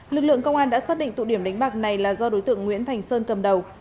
lực lượng công an đã xác định tụ điểm đánh bạc này là do đối tượng nguyễn thành sơn cầm đầu